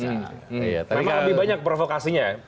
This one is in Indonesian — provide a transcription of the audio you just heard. tapi kan lebih banyak provokasinya